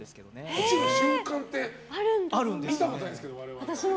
落ちる瞬間って見たことないですけど、我々。